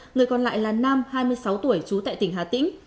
người còn lại là nam hai mươi sáu tuổi trú tại tỉnh hà tĩnh